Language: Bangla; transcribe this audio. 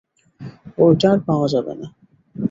ঐটা আর পাওয়া যাবে না।